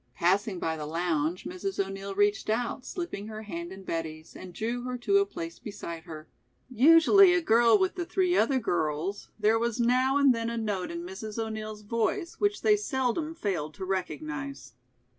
Passing by the lounge Mrs. O'Neill reached out, slipping her hand in Betty's and drew her to a place beside her. Usually a girl with the three other girls there was now and then a note in Mrs. O'Neill's voice which they seldom failed to recognize.